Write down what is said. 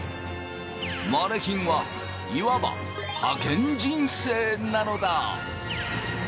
マネキンはいわばハケン人生なのだ。